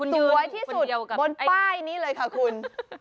สวยที่สุดบนป้ายนี้เลยค่ะคุณ